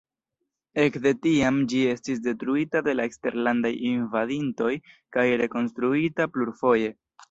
Ekde tiam ĝi estis detruita de la eksterlandaj invadintoj kaj rekonstruita plurfoje.